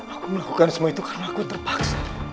aku melakukan semua itu karena aku terpaksa